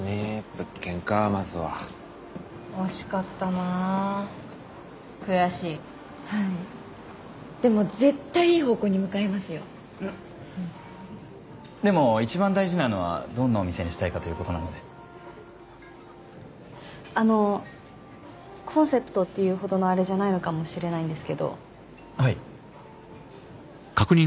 物件かまずは惜しかったなー悔しいはいでも絶対いい方向に向かいますようんでも一番大事なのはどんなお店にしたいかということなのであのコンセプトっていうほどのあれじゃないのかもしれないんですけどはい